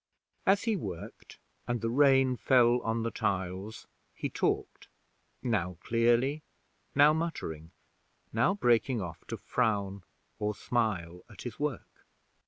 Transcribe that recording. As he worked, and the rain fell on the tiles, he talked now clearly, now muttering, now breaking off to frown or smile at his work.